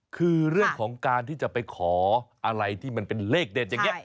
คือเรื่องของการที่จะไปขออะไรที่มันเป็นเลขเด็ดอย่างนี้